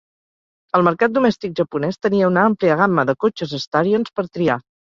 El mercat domèstic japonès tenia una àmplia gamma de cotxes Starions per triar.